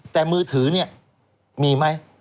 แต่มือถือเนี่ยมีไหม